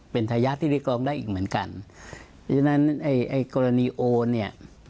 เป็นทายาทที่เรียกร้องได้อีกเหมือนกันเพราะฉะนั้นไอ้ไอ้กรณีโอนเนี่ย